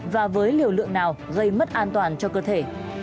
và với liều lượng nào gây mất an toàn cho cơ thể